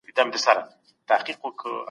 د حج په مابينځ کي مي د ده خپلي کيسې ولیکلې.